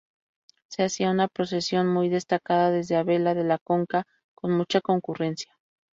Se hacía una procesión muy destacada desde Abella de la Conca, con mucha concurrencia.